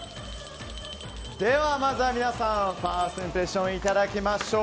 ではまずは皆さんファーストインプレッションいただきましょう。